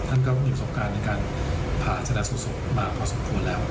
ท่านมีพฤติการการผ่าสนับสนุกสนุกมาพอสมควรแล้ว